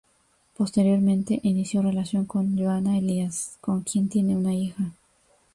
Posteriormente inició relación con Johana Elías, con quien tiene una hija.